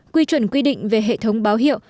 quy chuẩn quy định về hệ thống báo hiệu